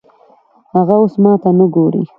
هغه اوس ماته نه ګوري